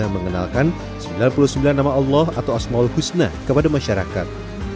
mengenalkan sembilan puluh sembilan nama allah atau asma ul husna kepada masyarakat